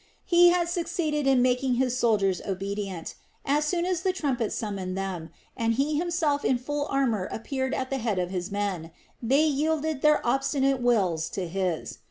He had succeeded in making his soldiers obedient. As soon as the trumpets summoned them, and he himself in full armor appeared at the head of his men, they yielded their own obstinate wills to his.